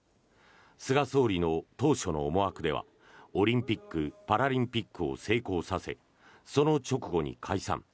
菅総理の当初の思惑ではオリンピック・パラリンピックを成功させその直後に解散。